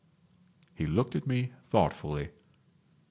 He looked at me thoughtfully.